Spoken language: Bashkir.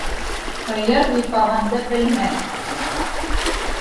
Һыйыр һыйпағанды белмәҫ.